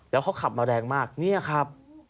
แล้วเขาขับมาแรงมากเนี่ยครับ